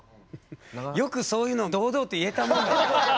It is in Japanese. よくそういうのを堂々と言えたもんだよね。